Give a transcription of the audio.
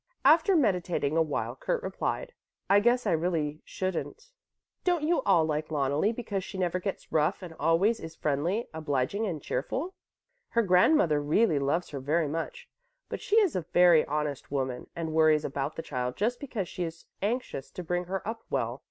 After meditating a while Kurt replied, "I guess I really shouldn't." "Don't you all like Loneli because she never gets rough and always is friendly, obliging and cheerful? Her grandmother really loves her very much; but she is a very honest woman and worries about the child just because she is anxious to bring her up well.